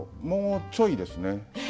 もうちょいですね。